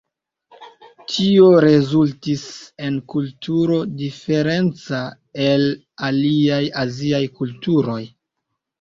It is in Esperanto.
Tio rezultis en kulturo diferenca el aliaj aziaj kulturoj.